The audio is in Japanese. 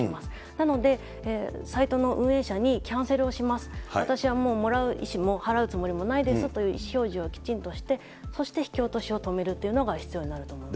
なので、サイトの運営者にキャンセルをします、私はもうもらう意思も払うつもりもないですという意思表示をきちんとして、そして引き落としを止めるというのが必要になると思います。